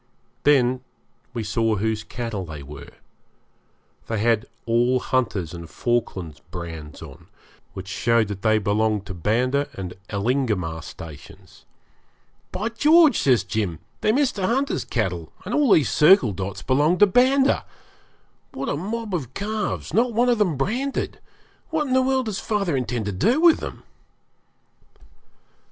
Then we saw whose cattle they were; they had all Hunter's and Falkland's brands on, which showed that they belonged to Banda and Elingamah stations. 'By George!' says Jim, 'they're Mr. Hunter's cattle, and all these circle dots belong to Banda. What a mob of calves! not one of them branded! What in the world does father intend to do with them?'